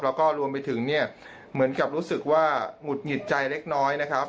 แล้วก็รวมไปถึงเนี่ยเหมือนกับรู้สึกว่าหงุดหงิดใจเล็กน้อยนะครับ